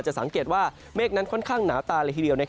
สังเกตว่าเมฆนั้นค่อนข้างหนาตาเลยทีเดียว